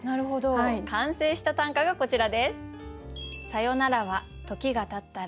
完成した短歌がこちらです。